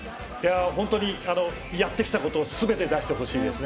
本当にやってきたことをすべて出してほしいですね。